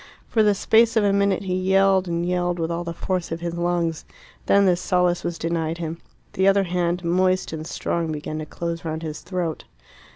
For the space of a minute he yelled and yelled with all the force of his lungs. Then this solace was denied him. The other hand, moist and strong, began to close round his throat.